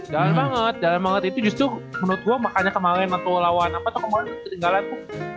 jalan banget dalam banget itu justru menurut gue makanya kemarin atau lawan apa tuh kemarin ketinggalan bu